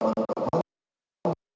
ya tarakang empat saya juga diploi